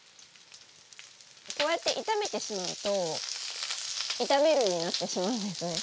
こうやって炒めてしまうと「炒める」になってしまうんですね。